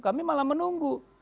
kami malah menunggu